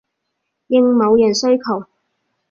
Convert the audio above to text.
應某人需求